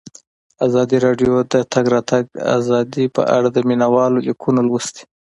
ازادي راډیو د د تګ راتګ ازادي په اړه د مینه والو لیکونه لوستي.